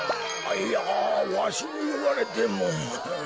いやわしにいわれても。